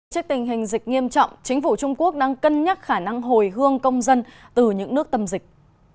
trước tình hình dịch nghiêm trọng chính phủ trung quốc đang cân nhắc khả năng hồi hương công dân từ những nước tâm dịch